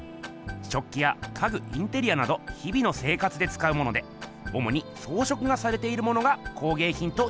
食器や家具インテリアなど日々の生活でつかうものでおもにそうしょくがされているものが工げいひんとよばれています。